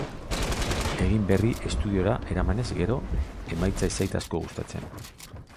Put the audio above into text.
Egin berri estudiora eramanez gero, emaitza ez zait asko gustatzen.